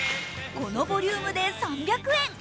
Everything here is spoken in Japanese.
このボリュームで３００円。